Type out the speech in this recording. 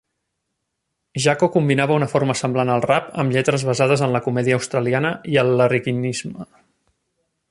Jacko combinava una forma semblant al rap amb lletres basades en la comèdia australiana i el larrikinisme.